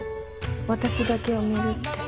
私だけを見るって。